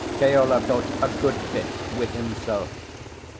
Keola thought a good bit with himself.